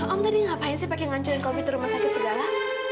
om tadi ngapain sih pakai ngancurin covid rumah sakit segala